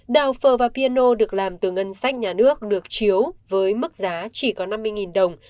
đào phở và piano được làm từ ngân sách nhà nước được chiếu với mức giá chỉ có năm mươi đồng